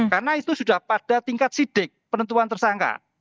karena itu sudah pada tingkat sidik penentuan tersangka